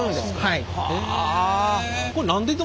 はい。